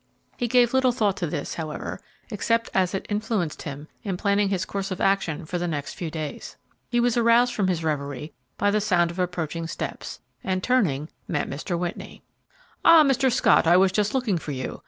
He gave little thought to this, however, except as it influenced him in planning his course of action for the next few days. He was aroused from his revery by the sound of approaching steps, and, turning, met Mr. Whitney. "Ah, Mr. Scott, I was just looking for you.